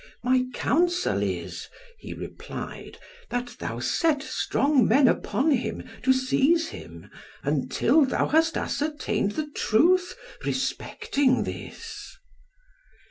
"My counsel is," he replied, "that thou set strong men upon him, to seize him, until thou hast ascertained the truth respecting this."